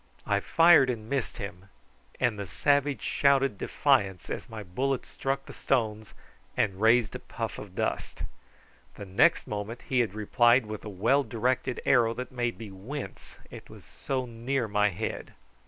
I fired and missed him, and the savage shouted defiance as my bullet struck the stones and raised a puff of dust. The next moment he had replied with a well directed arrow that made me wince, it was so near my head.